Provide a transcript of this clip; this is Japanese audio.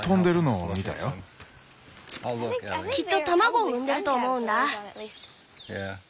きっと卵を産んでると思うんだ。